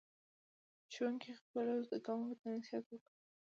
ښوونکي خپلو زده کوونکو ته نصیحت وکړ.